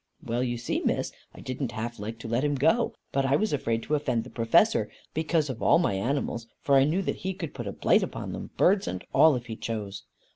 Well you see, Miss, I didn't half like to let him go, but I was afraid to offend the Professor, because of all my animals, for I knew that he could put a blight upon them, birds and all, if he chose.